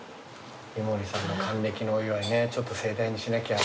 井森さんの還暦のお祝いねちょっと盛大にしなきゃ。